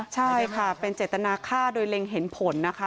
ใช่ค่ะเป็นเจตนาฆ่าโดยเล็งเห็นผลนะคะ